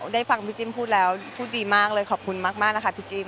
ได้ฟังพี่จิ้มพูดแล้วพูดดีมากเลยขอบคุณมากนะคะพี่จิ้ม